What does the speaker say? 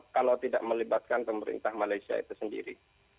tidak cukup kalau tidak melibatkan pemerintah malaysia itu sendiri